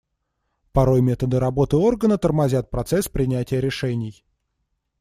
Порой методы работы органа тормозят процесс принятия решений.